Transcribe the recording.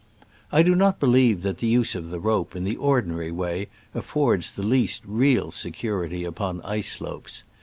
I do not believe that the use of the rope, in the ordinary way, affords the least real security upon ice slopes.